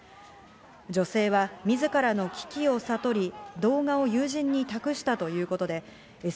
女性はみずからの危機を悟り、動画を友人に託したということです。